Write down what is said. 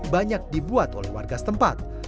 banyak dibuat oleh warga setempat